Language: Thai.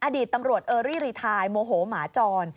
อดีตตำรวจเออรี่รีไทนโมโหหมาจร